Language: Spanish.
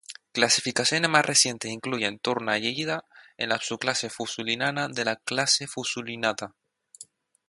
Clasificaciones más recientes incluyen Tournayellida en la subclase Fusulinana de la clase Fusulinata.